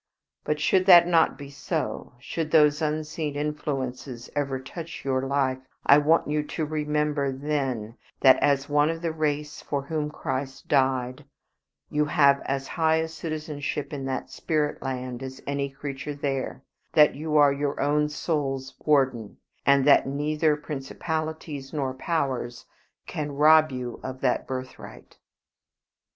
But should that not be so, should those unseen influences ever touch your life, I want you to remember then, that, as one of the race for whom Christ died, you have as high a citizenship in that spirit land as any creature there: that you are your own soul's warden, and that neither principalities nor powers can rob you of that your birthright."